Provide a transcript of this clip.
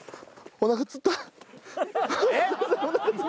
おなかつった痛え！